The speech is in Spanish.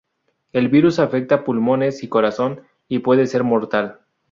El virus afecta pulmones y corazón, y puede ser mortal.